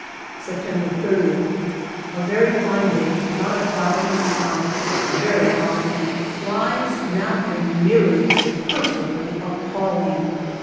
September 30th. A very fine day, not a cloud in the sky ; very hot, and flies, now in myriads, perfectly appalling.